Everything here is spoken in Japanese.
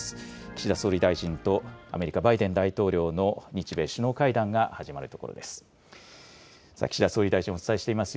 岸田総理大臣とアメリカバイデン大統領の日米首脳会談が始まるところです。